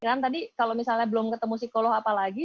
kan tadi kalau misalnya belum ketemu psikolog apa lagi